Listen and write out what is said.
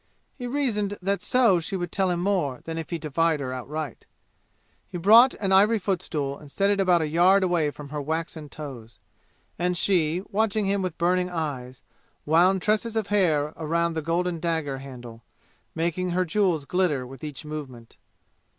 He reasoned that so she would tell him more than if he defied her outright. He brought an ivory footstool and set it about a yard away from her waxen toes. And she, watching him with burning eyes, wound tresses of her hair around the golden dagger handle, making her jewels glitter with each movement.